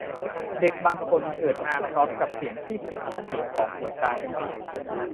เด็กบางคนเกิดมาพร้อมกับเสียงที่ผิดปกติของหัวใจ